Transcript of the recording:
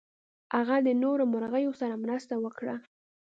هغه د نورو مرغیو سره مرسته وکړه.